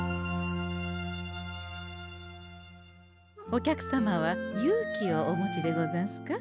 お客様は勇気をお持ちでござんすか？